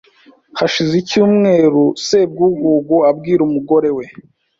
Hashize icyumweru Sebwugugu abwira umugore we